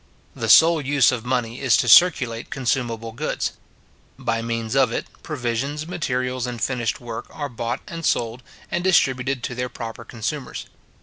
The sole use of money is to circulate consumable goods. By means of it, provisions, materials, and finished work, are bought and sold, and distributed to their proper consumers.